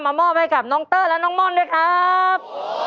มอบให้กับน้องเตอร์และน้องม่อนด้วยครับ